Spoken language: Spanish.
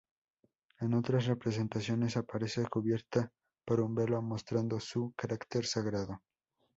En otras representaciones, aparece cubierta por un velo, mostrando su carácter sagrado.